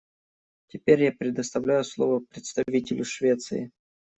Теперь я предоставляю слово представителю Швеции.